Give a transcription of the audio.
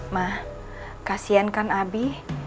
ma kasihan kan abi